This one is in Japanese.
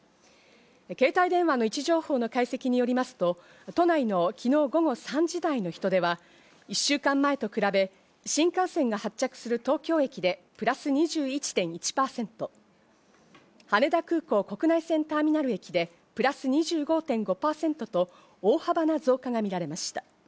携帯電話の位置情報の解析によりますと、都内の昨日午後３時台の人出は１週間前と比べ、新幹線が発着する東京駅でプラス２１．１％、羽田空港国内線ターミナル駅でプラス２５．５％と大幅な増加が見られました。